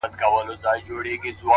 تر تا څو چنده ستا د زني عالمگير ښه دی،